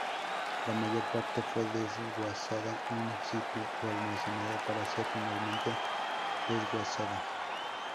La mayor parte fue desguazada in situ, o almacenada para ser finalmente desguazada.